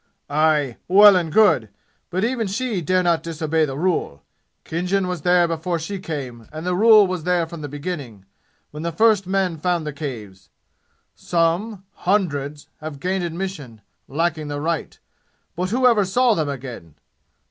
"Aye! Well and good! But even she dare not disobey the rule. Khinjan was there before she came, and the rule was there from the beginning, when the first men found the Caves! Some hundreds have gained admission, lacking the right. But who ever saw them again?